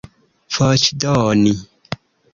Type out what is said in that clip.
voĉdoni